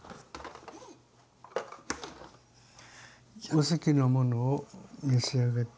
お好きなものを召し上がって。